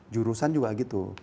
jurusan juga gitu